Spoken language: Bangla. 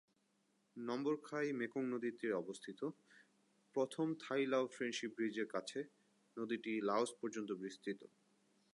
নম্বর খাই মেকং নদীর তীরে অবস্থিত, প্রথম থাই-লাও ফ্রেন্ডশিপ ব্রিজের কাছে, নদীটি লাওস পর্যন্ত বিস্তৃত।